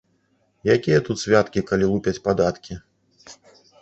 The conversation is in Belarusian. Якія тут святкі, калі лупяць падаткі